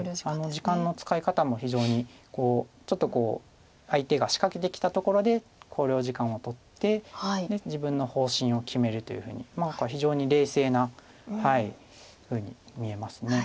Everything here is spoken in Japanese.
時間の使い方も非常にちょっとこう相手が仕掛けてきたところで考慮時間を取って自分の方針を決めるというふうに非常に冷静なふうに見えます。